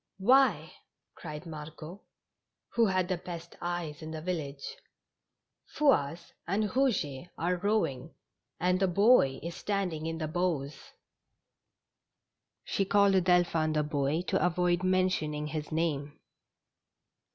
"Why,'' cried Margot, who had the best e3^es in the village. " Fouasse and Kouget are rowing, and the boy is standing in the bows." She called Delphin " the boy " to avoid mentioning his name.